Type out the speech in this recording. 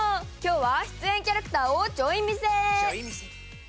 今日は出演キャラクターをちょい見せ！